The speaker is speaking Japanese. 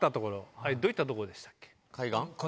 あれどういったとこでしたっけ？